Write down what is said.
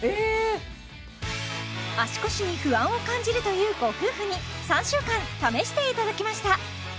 足腰に不安を感じるというご夫婦に３週間試していただきました